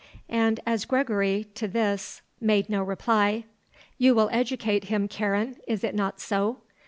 And as Gregory, to this, made no reply, "You will educate him, Karen; is it not so?